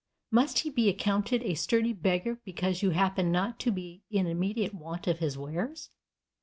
Must he be accounted a sturdy beggar because you happen not to be in immediate want of his wares?